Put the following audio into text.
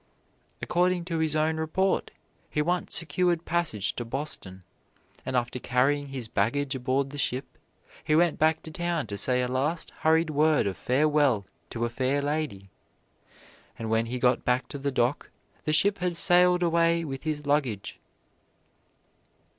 According to his own report he once secured passage to Boston, and after carrying his baggage aboard the ship he went back to town to say a last hurried word of farewell to a fair lady, and when he got back to the dock the ship had sailed away with his luggage.